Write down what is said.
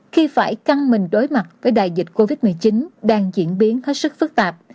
khi phải căng mình đối mặt với đại dịch covid một mươi chín đang diễn biến hết sức phức tạp